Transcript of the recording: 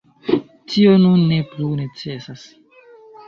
Tio nun ne plu necesas.